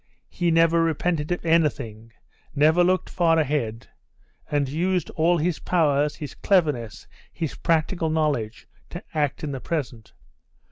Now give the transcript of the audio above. He never repented of anything, never looked far ahead, and used all his powers, his cleverness, his practical knowledge to act in the present.